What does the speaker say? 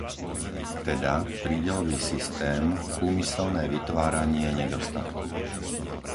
Teda, prídelový systém, úmyselné vytváranie nedostatku.